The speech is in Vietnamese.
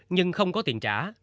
nhưng không có tiền trả